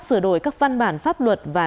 sửa đổi các văn bản pháp luật và